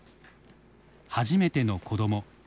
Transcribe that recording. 初めての子ども。